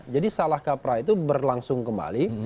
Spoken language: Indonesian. jadi salah kapra itu berlangsung kembali